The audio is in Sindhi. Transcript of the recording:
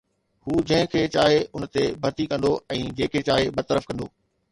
هو جنهن کي چاهي ان تي ڀرتي ڪندو ۽ جنهن کي چاهي برطرف ڪندو